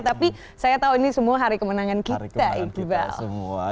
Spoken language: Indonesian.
tapi saya tahu ini semua hari kemenangan kita iqbal